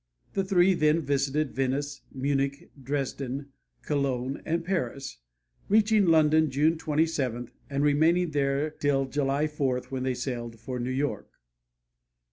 The three then visited Venice, Munich, Dresden, Cologne and Paris, reaching London June 27, and remaining there till July 4, when they sailed for New York.